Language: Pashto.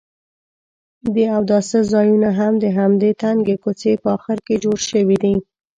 د اوداسه ځایونه هم د همدې تنګې کوڅې په اخر کې جوړ شوي دي.